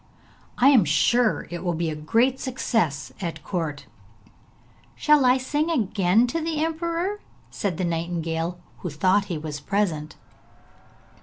I am sure it will be a great success at court!' 'Shall I sing again to the emperor?' said the nightingale, who thought he was present.